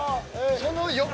その横。